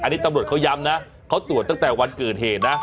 อันนี้ตำรวจเขาย้ำนะเขาตรวจตั้งแต่วันเกิดเหตุนะ